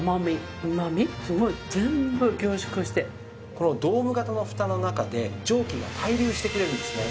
このドーム型のふたの中で蒸気が対流してくれるんですね。